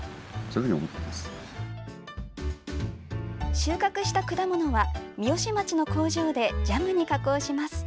収穫した果物は三芳町の工場でジャムに加工します。